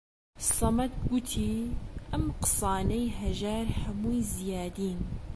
سەمەد گوتی: ئەم قسانەی هەژار هەمووی زیادین